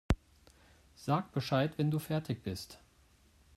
Sag Bescheid, wenn du fertig bist.